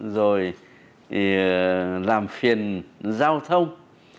rồi làm phiền giao thông